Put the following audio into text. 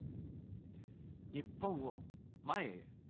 日本を、前へ。